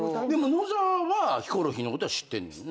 野沢はヒコロヒーのことは知ってんのよな。